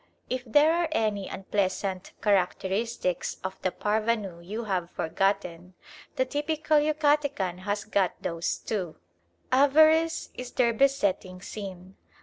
If there are any unpleasant characteristics of the parvenu you have forgotten, the typical Yucatecan has got those too. Avarice is their besetting sin.